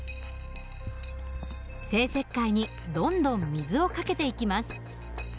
生石灰にどんどん水をかけていきます。